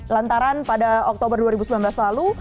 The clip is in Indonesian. lantaran pada oktober dua ribu sembilan belas lalu